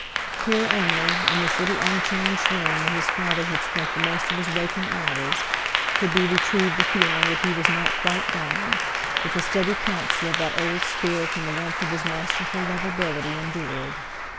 Here only—in this little unchanged room where his father had spent the most of his waking hours—could be retrieved the feeling that he was not quite gone, that the steady counsel of that old spirit and the warmth of his masterful lovability endured.